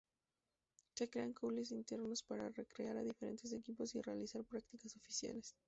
Se crean clubes internos para recrear a diferentes equipos y realizar practicas oficiales.